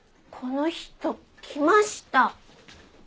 この人来ました！